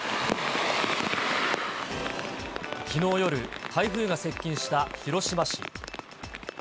きのう夜、台風が接近した広島市。